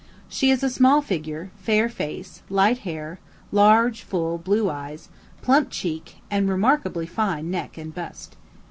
She is a small figure, fair face, light hair, large, full, blue eyes, plump cheek, and remarkably fine neck and bust.